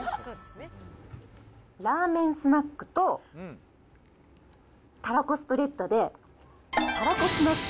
ラーメンスナックとたらこスプレッドでたらこスナック